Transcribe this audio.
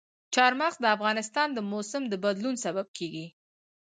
چار مغز د افغانستان د موسم د بدلون سبب کېږي.